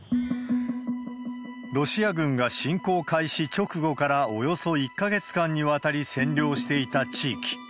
ロシア軍が侵攻開始直後からおよそ１か月間にわたり占領していた地域。